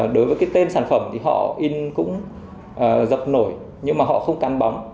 đối với cái tên sản phẩm thì họ in cũng dập nổi nhưng mà họ không cắn bóng